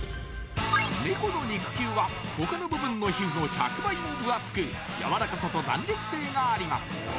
ネコの肉球は他の部分の皮膚の１００倍も分厚くやわらかさと弾力性があります